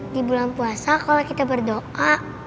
di bulan puasa kalau kita berdoa